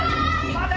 待て！